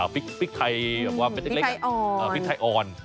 พริกไทยอ่อน